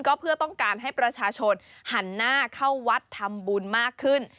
ก็เพื่อต้องการให้ประชาชนหันหน้าเข้าวัดทำบุญมากขึ้น